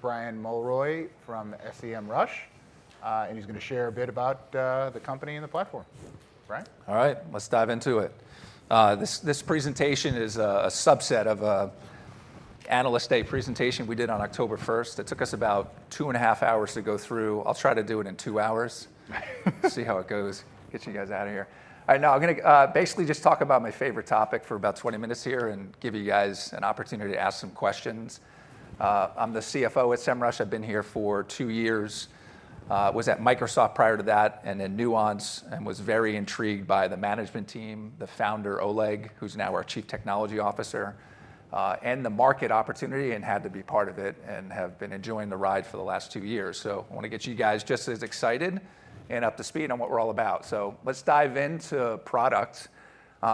Brian Mulroy from Semrush, and he's going to share a bit about the company and the platform. Brian? All right, let's dive into it. This presentation is a subset of an analyst day presentation we did on October 1st. It took us about two and a half hours to go through. I'll try to do it in two hours. See how it goes. Get you guys out of here. All right, now I'm going to basically just talk about my favorite topic for about 20 minutes here and give you guys an opportunity to ask some questions. I'm the CFO at Semrush. I've been here for two years. I was at Microsoft prior to that and at Nuance and was very intrigued by the management team, the founder Oleg, who's now our Chief Technology Officer, and the market opportunity and had to be part of it and have been enjoying the ride for the last two years. I want to get you guys just as excited and up to speed on what we're all about. Let's dive into products.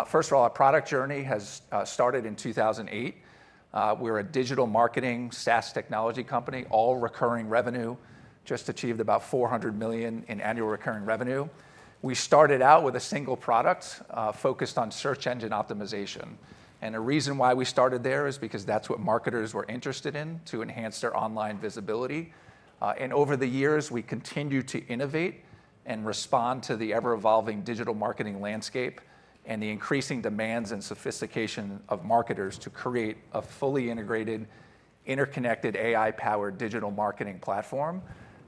First of all, our product journey has started in 2008. We're a digital marketing SaaS technology company, all recurring revenue, just achieved about $400 million in annual recurring revenue. We started out with a single product focused on search engine optimization. The reason why we started there is because that's what marketers were interested in to enhance their online visibility. Over the years, we continued to innovate and respond to the ever-evolving digital marketing landscape and the increasing demands and sophistication of marketers to create a fully integrated, interconnected, AI-powered digital marketing platform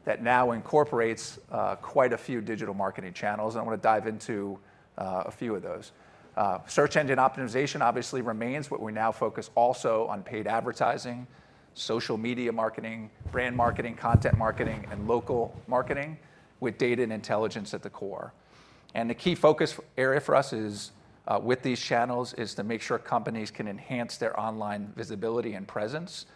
that now incorporates quite a few digital marketing channels. I want to dive into a few of those. Search engine optimization obviously remains, but we now focus also on paid advertising, social media marketing, brand marketing, content marketing, and local marketing with data and intelligence at the core. The key focus area for us with these channels is to make sure companies can enhance their online visibility and presence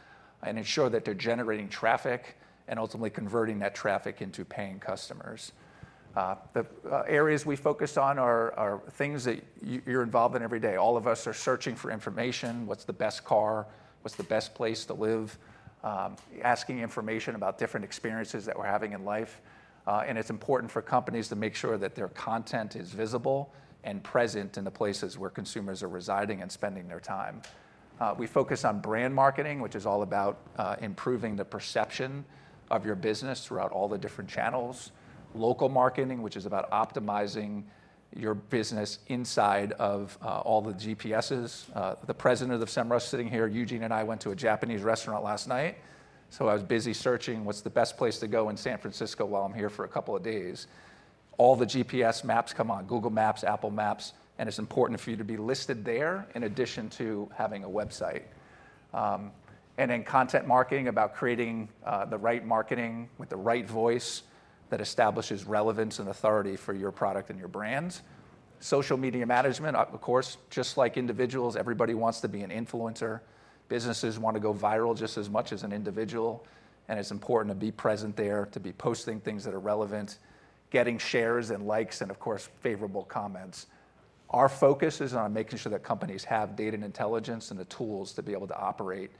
and ensure that they're generating traffic and ultimately converting that traffic into paying customers. The areas we focus on are things that you're involved in every day. All of us are searching for information. What's the best car? What's the best place to live? Asking information about different experiences that we're having in life. It's important for companies to make sure that their content is visible and present in the places where consumers are residing and spending their time. We focus on brand marketing, which is all about improving the perception of your business throughout all the different channels. Local marketing, which is about optimizing your business inside of all the GPSs. The President of Semrush sitting here, Eugene and I went to a Japanese restaurant last night. I was busy searching what's the best place to go in San Francisco while I'm here for a couple of days. All the GPS maps come on Google Maps, Apple Maps, and it's important for you to be listed there in addition to having a website. Content marketing about creating the right marketing with the right voice that establishes relevance and authority for your product and your brand. Social media management, of course, just like individuals, everybody wants to be an influencer. Businesses want to go viral just as much as an individual. It is important to be present there, to be posting things that are relevant, getting shares and likes, and of course, favorable comments. Our focus is on making sure that companies have data and intelligence and the tools to be able to operate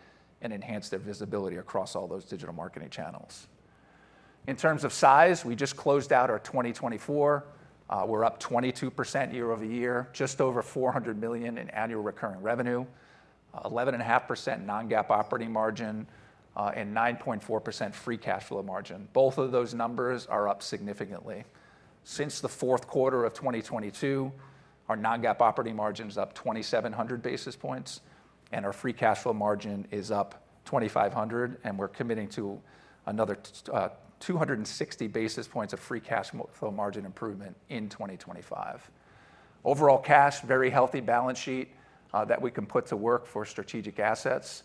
and enhance their visibility across all those digital marketing channels. In terms of size, we just closed out our 2024. We are up 22% year-over-year, just over $400 million in annual recurring revenue, 11.5% non-GAAP operating margin, and 9.4% free cash flow margin. Both of those numbers are up significantly. Since the fourth quarter of 2022, our non-GAAP operating margin is up 2,700 basis points, and our free cash flow margin is up 2,500. We are committing to another 260 basis points of free cash flow margin improvement in 2025. Overall cash, very healthy balance sheet that we can put to work for strategic assets.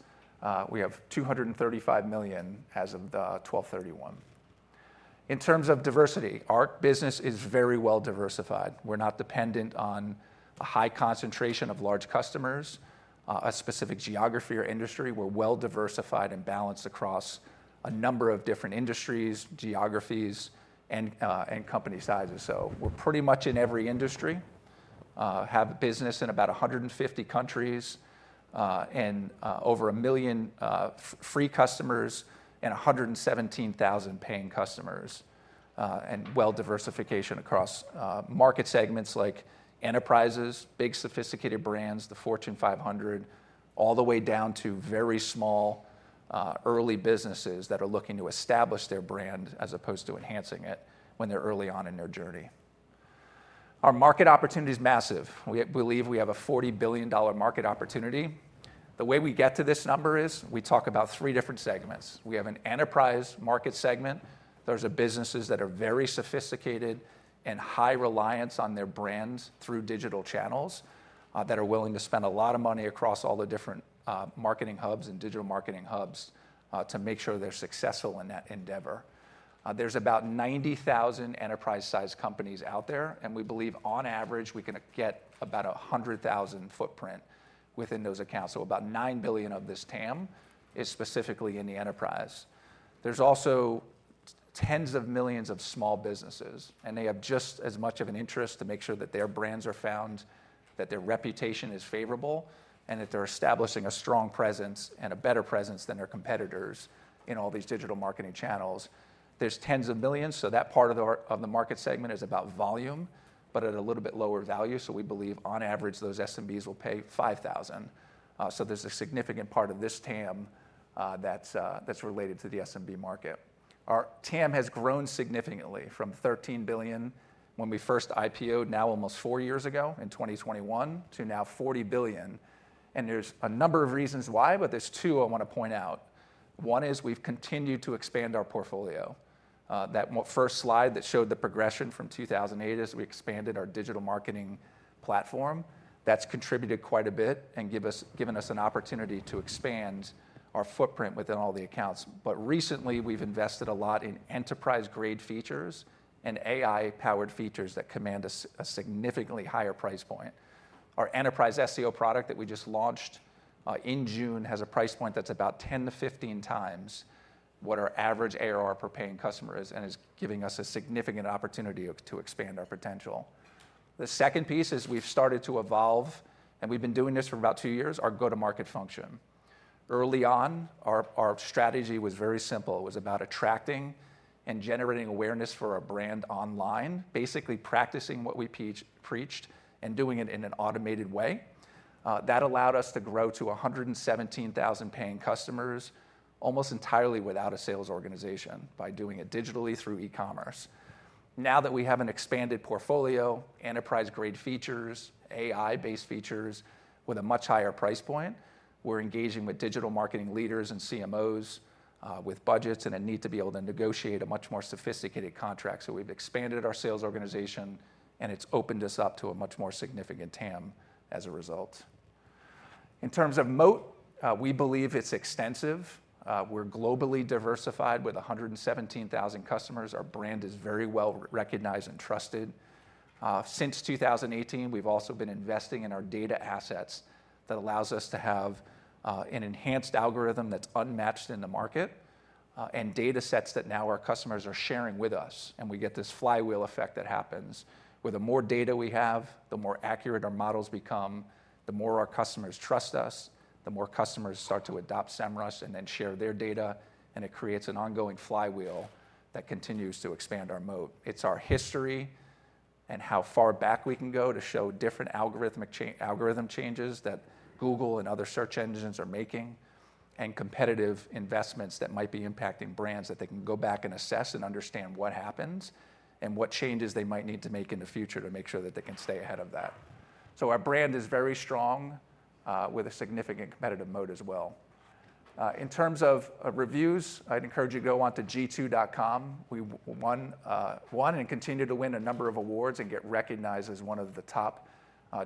We have $235 million as of December 31. In terms of diversity, our business is very well diversified. We're not dependent on a high concentration of large customers, a specific geography or industry. We're well diversified and balanced across a number of different industries, geographies, and company sizes. We're pretty much in every industry, have a business in about 150 countries and over a million free customers and 117,000 paying customers, and well diversification across market segments like enterprises, big sophisticated brands, the Fortune 500, all the way down to very small early businesses that are looking to establish their brand as opposed to enhancing it when they're early on in their journey. Our market opportunity is massive. We believe we have a $40 billion market opportunity. The way we get to this number is we talk about three different segments. We have an enterprise market segment. are businesses that are very sophisticated and have high reliance on their brands through digital channels that are willing to spend a lot of money across all the different marketing hubs and digital marketing hubs to make sure they are successful in that endeavor. There are about 90,000 enterprise-sized companies out there, and we believe on average we can get about $100,000 footprint within those accounts. About $9 billion of this TAM is specifically in the enterprise. There are also tens of millions of small businesses, and they have just as much of an interest to make sure that their brands are found, that their reputation is favorable, and that they are establishing a strong presence and a better presence than their competitors in all these digital marketing channels. There are tens of millions, so that part of the market segment is about volume, but at a little bit lower value. We believe on average those SMBs will pay $5,000. There is a significant part of this TAM that is related to the SMB market. Our TAM has grown significantly from $13 billion when we first IPO almost four years ago in 2021 to now $40 billion. There are a number of reasons why, but there are two I want to point out. One is we have continued to expand our portfolio. That first slide that showed the progression from 2008 as we expanded our digital marketing platform, that has contributed quite a bit and given us an opportunity to expand our footprint within all the accounts. Recently we have invested a lot in enterprise-grade features and AI-powered features that command a significantly higher price point. Our enterprise SEO product that we just launched in June has a price point that's about 10-15 times what our average ARR per paying customer is and is giving us a significant opportunity to expand our potential. The second piece is we've started to evolve, and we've been doing this for about two years, our go-to-market function. Early on, our strategy was very simple. It was about attracting and generating awareness for our brand online, basically practicing what we preached and doing it in an automated way. That allowed us to grow to 117,000 paying customers almost entirely without a sales organization by doing it digitally through e-commerce. Now that we have an expanded portfolio, enterprise-grade features, AI-based features with a much higher price point, we're engaging with digital marketing leaders and CMOs with budgets and a need to be able to negotiate a much more sophisticated contract. We have expanded our sales organization, and it has opened us up to a much more significant TAM as a result. In terms of moat, we believe it is extensive. We are globally diversified with 117,000 customers. Our brand is very well recognized and trusted. Since 2018, we have also been investing in our data assets that allow us to have an enhanced algorithm that is unmatched in the market and data sets that now our customers are sharing with us. We get this flywheel effect that happens. With the more data we have, the more accurate our models become, the more our customers trust us, the more customers start to adopt Semrush and then share their data, and it creates an ongoing flywheel that continues to expand our moat. It's our history and how far back we can go to show different algorithmic changes that Google and other search engines are making and competitive investments that might be impacting brands that they can go back and assess and understand what happens and what changes they might need to make in the future to make sure that they can stay ahead of that. Our brand is very strong with a significant competitive moat as well. In terms of reviews, I'd encourage you to go on to G2.com. We won and continue to win a number of awards and get recognized as one of the top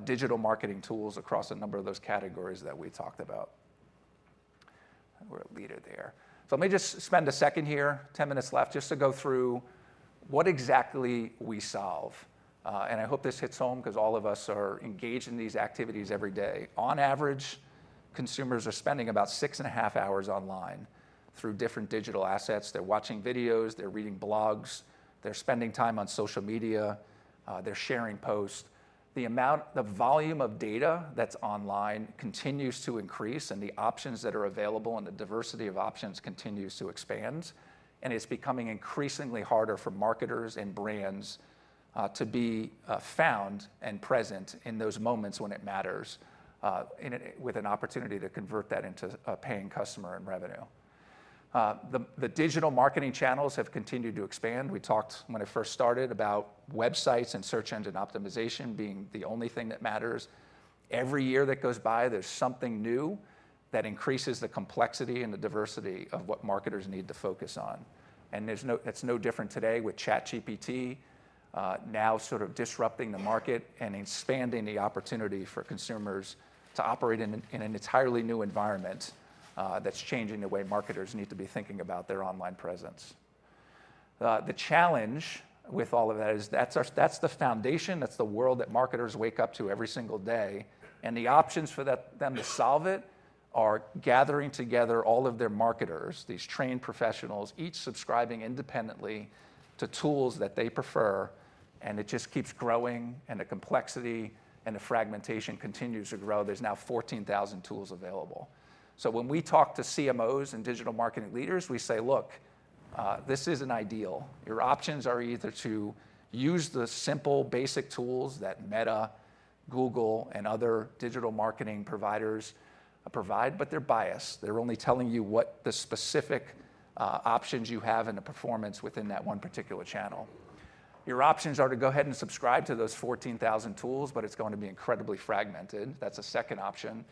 digital marketing tools across a number of those categories that we talked about. We're a leader there. Let me just spend a second here, 10 minutes left, just to go through what exactly we solve. I hope this hits home because all of us are engaged in these activities every day. On average, consumers are spending about six and a half hours online through different digital assets. They're watching videos, they're reading blogs, they're spending time on social media, they're sharing posts. The volume of data that's online continues to increase and the options that are available and the diversity of options continues to expand. It is becoming increasingly harder for marketers and brands to be found and present in those moments when it matters with an opportunity to convert that into a paying customer and revenue. The digital marketing channels have continued to expand. We talked when I first started about websites and search engine optimization being the only thing that matters. Every year that goes by, there's something new that increases the complexity and the diversity of what marketers need to focus on. It's no different today with ChatGPT now sort of disrupting the market and expanding the opportunity for consumers to operate in an entirely new environment that's changing the way marketers need to be thinking about their online presence. The challenge with all of that is that's the foundation, that's the world that marketers wake up to every single day. The options for them to solve it are gathering together all of their marketers, these trained professionals, each subscribing independently to tools that they prefer. It just keeps growing and the complexity and the fragmentation continues to grow. There's now 14,000 tools available. When we talk to CMOs and digital marketing leaders, we say, "Look, this isn't ideal". Your options are either to use the simple, basic tools that Meta, Google, and other digital marketing providers provide, but they're biased. They're only telling you what the specific options you have and the performance within that one particular channel. Your options are to go ahead and subscribe to those 14,000 tools, but it's going to be incredibly fragmented. That's a second option.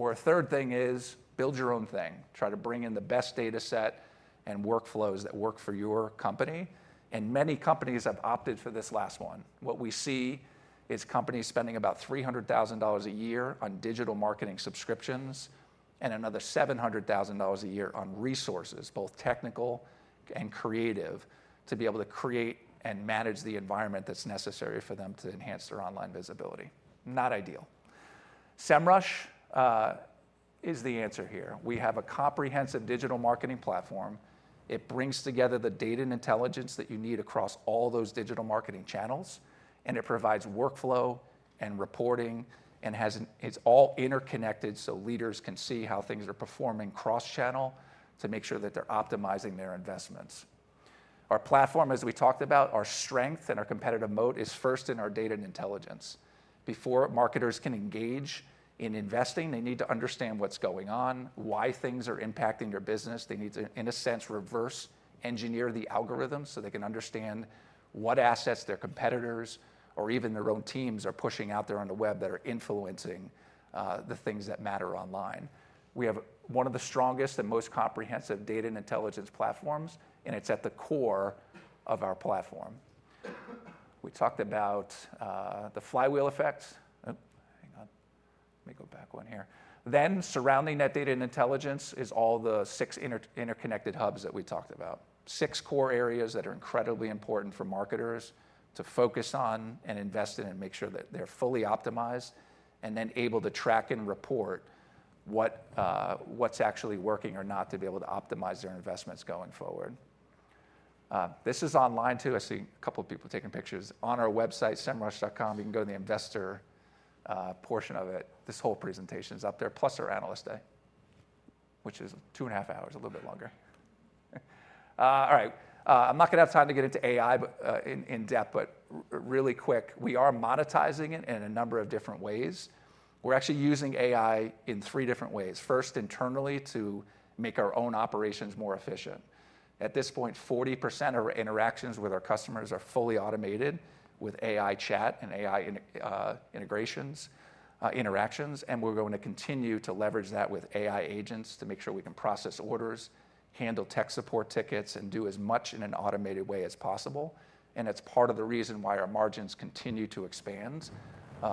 A third thing is build your own thing. Try to bring in the best data set and workflows that work for your company. Many companies have opted for this last one. What we see is companies spending about $300,000 a year on digital marketing subscriptions and another $700,000 a year on resources, both technical and creative, to be able to create and manage the environment that's necessary for them to enhance their online visibility. Not ideal. Semrush is the answer here. We have a comprehensive digital marketing platform. It brings together the data and intelligence that you need across all those digital marketing channels, and it provides workflow and reporting and it's all interconnected so leaders can see how things are performing cross-channel to make sure that they're optimizing their investments. Our platform, as we talked about, our strength and our competitive moat is first in our data and intelligence. Before marketers can engage in investing, they need to understand what's going on, why things are impacting their business. They need to, in a sense, reverse engineer the algorithms so they can understand what assets their competitors or even their own teams are pushing out there on the web that are influencing the things that matter online. We have one of the strongest and most comprehensive data and intelligence platforms, and it's at the core of our platform. We talked about the flywheel effect. Hang on. Let me go back one here. Surrounding that data and intelligence is all the six interconnected hubs that we talked about. Six core areas that are incredibly important for marketers to focus on and invest in and make sure that they're fully optimized and then able to track and report what's actually working or not to be able to optimize their investments going forward. This is online too. I see a couple of people taking pictures. On our website, semrush.com, you can go to the investor portion of it. This whole presentation is up there, plus our analyst day, which is two and a half hours, a little bit longer. All right. I'm not going to have time to get into AI in depth, but really quick, we are monetizing it in a number of different ways. We're actually using AI in three different ways. First, internally to make our own operations more efficient. At this point, 40% of our interactions with our customers are fully automated with AI chat and AI integrations, interactions. We are going to continue to leverage that with AI agents to make sure we can process orders, handle tech support tickets, and do as much in an automated way as possible. It is part of the reason why our margins continue to expand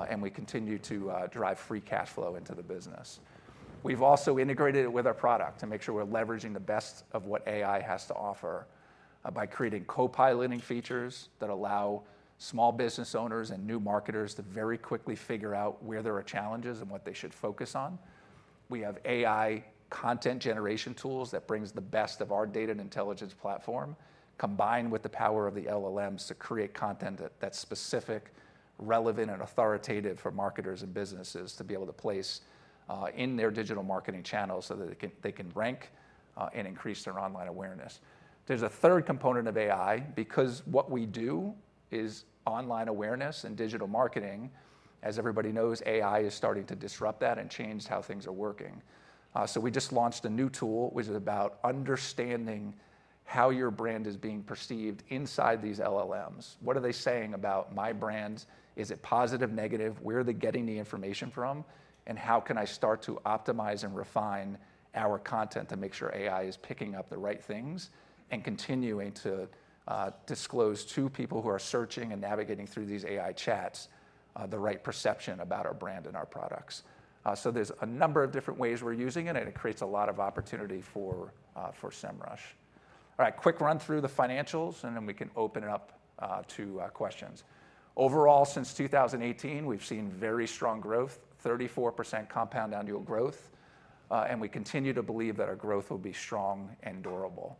and we continue to drive free cash flow into the business. We have also integrated it with our product to make sure we're leveraging the best of what AI has to offer by creating co-piloting features that allow small business owners and new marketers to very quickly figure out where there are challenges and what they should focus on. We have AI content generation tools that brings the best of our data and intelligence platform combined with the power of the LLMs to create content that's specific, relevant, and authoritative for marketers and businesses to be able to place in their digital marketing channels so that they can rank and increase their online awareness. There is a third component of AI because what we do is online awareness and digital marketing. As everybody knows, AI is starting to disrupt that and change how things are working. We just launched a new tool which is about understanding how your brand is being perceived inside these LLMs. What are they saying about my brand? Is it positive, negative? Where are they getting the information from? How can I start to optimize and refine our content to make sure AI is picking up the right things and continuing to disclose to people who are searching and navigating through these AI chats the right perception about our brand and our products? There are a number of different ways we're using it, and it creates a lot of opportunity for Semrush. All right, quick run through the financials, and then we can open it up to questions. Overall, since 2018, we've seen very strong growth, 34% compound annual growth, and we continue to believe that our growth will be strong and durable.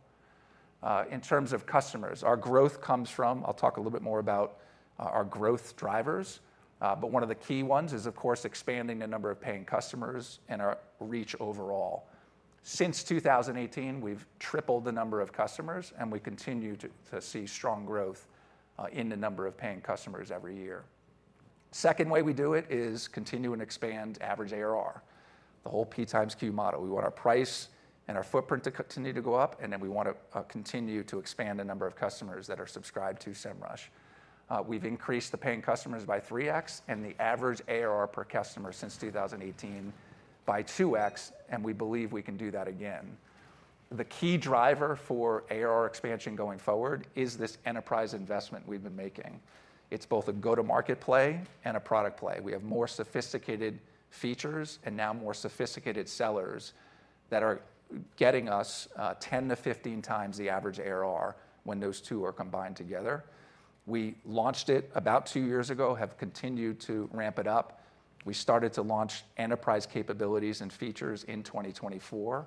In terms of customers, our growth comes from, I'll talk a little bit more about our growth drivers, but one of the key ones is, of course, expanding the number of paying customers and our reach overall. Since 2018, we've tripled the number of customers, and we continue to see strong growth in the number of paying customers every year. Second way we do it is continue and expand average ARR, the whole P times Q model. We want our price and our footprint to continue to go up, and then we want to continue to expand the number of customers that are subscribed to Semrush. We've increased the paying customers by 3x and the average ARR per customer since 2018 by 2x, and we believe we can do that again. The key driver for ARR expansion going forward is this enterprise investment we've been making. It's both a go-to-market play and a product play. We have more sophisticated features and now more sophisticated sellers that are getting us 10-15 times the average ARR when those two are combined together. We launched it about two years ago, have continued to ramp it up. We started to launch enterprise capabilities and features in 2024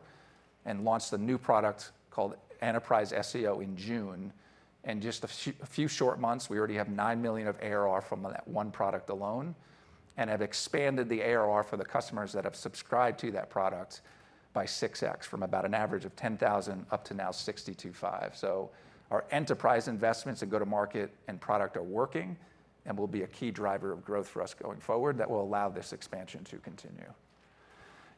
and launched a new product called Enterprise SEO in June. In just a few short months, we already have $9 million of ARR from that one product alone and have expanded the ARR for the customers that have subscribed to that product by 6x from about an average of $10,000 up to now $62,500. Our enterprise investments and go-to-market and product are working and will be a key driver of growth for us going forward that will allow this expansion to continue.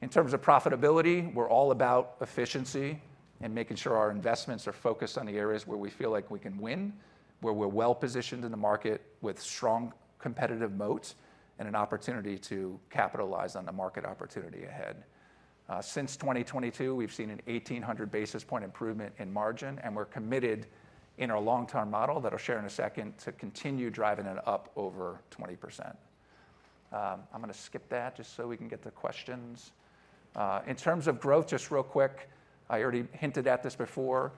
In terms of profitability, we're all about efficiency and making sure our investments are focused on the areas where we feel like we can win, where we're well positioned in the market with strong competitive moat and an opportunity to capitalize on the market opportunity ahead. Since 2022, we've seen an 1,800 basis point improvement in margin, and we're committed in our long-term model that I'll share in a second to continue driving it up over 20%. I'm going to skip that just so we can get the questions. In terms of growth, just real quick, I already hinted at this before.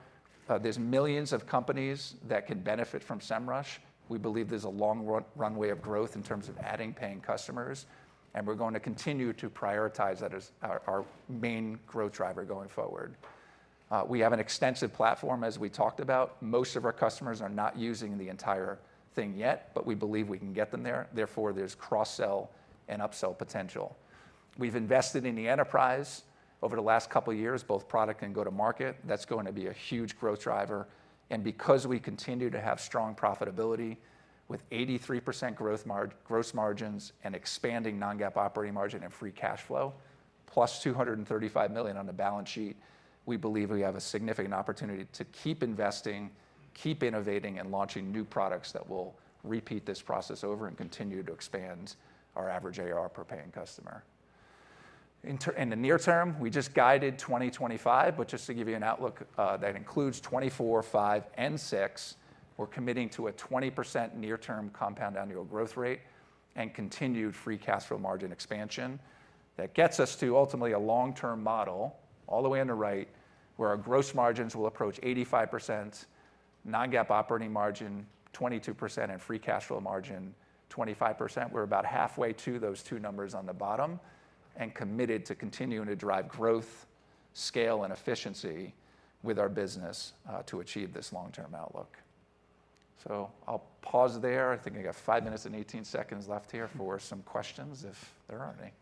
There's millions of companies that can benefit from Semrush. We believe there's a long runway of growth in terms of adding paying customers, and we're going to continue to prioritize that as our main growth driver going forward. We have an extensive platform, as we talked about. Most of our customers are not using the entire thing yet, but we believe we can get them there. Therefore, there's cross-sell and upsell potential. We've invested in the enterprise over the last couple of years, both product and go-to-market. That is going to be a huge growth driver. Because we continue to have strong profitability with 83% gross margins and expanding non-GAAP operating margin and free cash flow, plus $235 million on the balance sheet, we believe we have a significant opportunity to keep investing, keep innovating, and launching new products that will repeat this process over and continue to expand our average ARR per paying customer. In the near term, we just guided 2025, but just to give you an outlook that includes 2024, 2025, and 2026, we're committing to a 20% near-term compound annual growth rate and continued free cash flow margin expansion. That gets us to ultimately a long-term model all the way on the right where our gross margins will approach 85%, non-GAAP operating margin 22%, and free cash flow margin 25%. We're about halfway to those two numbers on the bottom and committed to continuing to drive growth, scale, and efficiency with our business to achieve this long-term outlook. I'll pause there. I think I got five minutes and 18 seconds left here for some questions if there are any.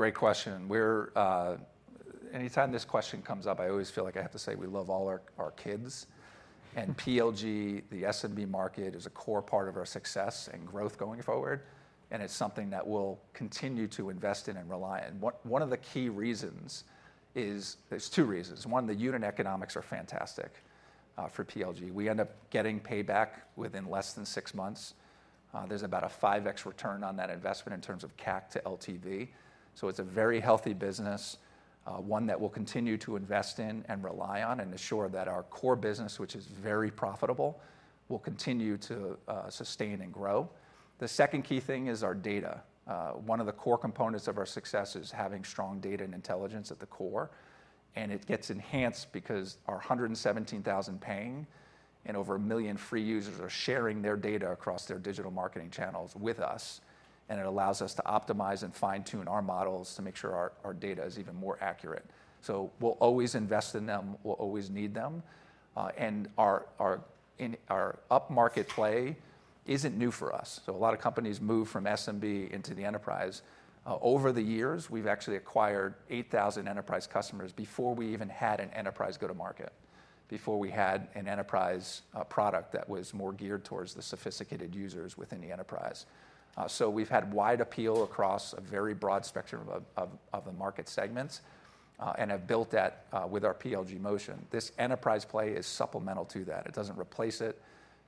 What are some of the learnings as a CFO, as you've seen other companies who primarily were early stage growth was mostly product-led and now transitioning to enterprise? Often there's a stumbling to build that enterprise and to keep the margins while you're building it. What are some of the things that you're doing to help mitigate that risk? That's a great question. Anytime this question comes up, I always feel like I have to say we love all our kids. PLG, the SMB market, is a core part of our success and growth going forward, and it's something that we'll continue to invest in and rely on. One of the key reasons is there's two reasons. One, the unit economics are fantastic for PLG. We end up getting payback within less than six months. There's about a 5x return on that investment in terms of CAC to LTV. It's a very healthy business, one that we'll continue to invest in and rely on and ensure that our core business, which is very profitable, will continue to sustain and grow. The second key thing is our data. One of the core components of our success is having strong data and intelligence at the core. It gets enhanced because our 117,000 paying and over a million free users are sharing their data across their digital marketing channels with us, and it allows us to optimize and fine-tune our models to make sure our data is even more accurate. We will always invest in them. We will always need them. Our up-market play is not new for us. A lot of companies moved from SMB B into the enterprise. Over the years, we have actually acquired 8,000 enterprise customers before we even had an enterprise go-to-market, before we had an enterprise product that was more geared towards the sophisticated users within the enterprise. We have had wide appeal across a very broad spectrum of the market segments and have built that with our PLG motion. This enterprise play is supplemental to that. It does not replace it.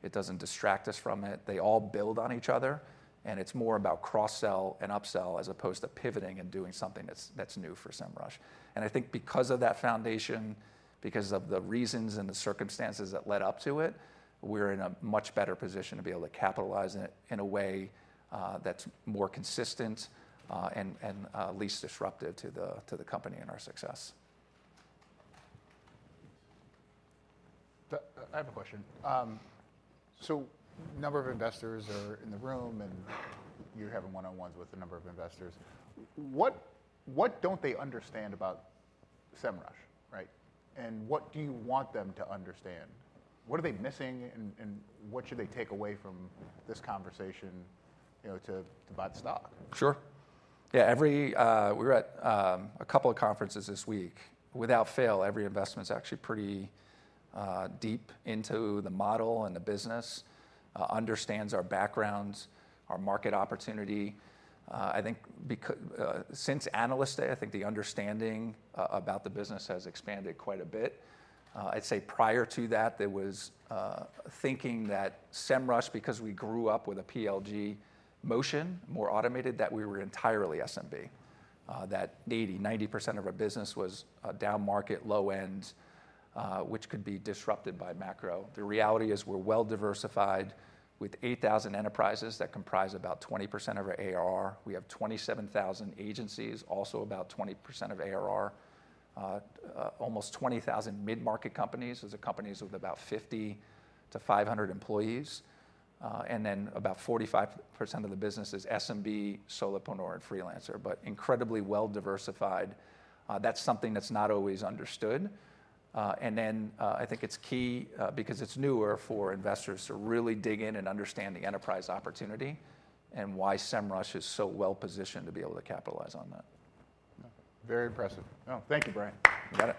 It does not distract us from it. They all build on each other, and it's more about cross-sell and upsell as opposed to pivoting and doing something that's new for Semrush. I think because of that foundation, because of the reasons and the circumstances that led up to it, we're in a much better position to be able to capitalize in a way that's more consistent and least disruptive to the company and our success. I have a question. A number of investors are in the room, and you're having one-on-ones with a number of investors. What don't they understand about Semrush, right? What do you want them to understand? What are they missing, and what should they take away from this conversation to buy the stock? Sure. Yeah. We were at a couple of conferences this week. Without fail, every investment is actually pretty deep into the model and the business, understands our backgrounds, our market opportunity. I think since analyst day, I think the understanding about the business has expanded quite a bit. I'd say prior to that, there was thinking that Semrush, because we grew up with a PLG motion, more automated, that we were entirely SMB, that 80-90% of our business was down market, low end, which could be disrupted by macro. The reality is we're well diversified with 8,000 enterprises that comprise about 20% of our ARR. We have 27,000 agencies, also about 20% of ARR, almost 20,000 mid-market companies. Those are companies with about 50 to 500 employees. Then about 45% of the business is SMB, solopreneur, and freelancer, but incredibly well diversified. That's something that's not always understood.I think it's key because it's newer for investors to really dig in and understand the enterprise opportunity and why Semrush is so well positioned to be able to capitalize on that. Very impressive. Oh, thank you, Brian. You got it.